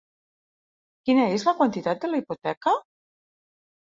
Quina és la quantitat de la hipoteca?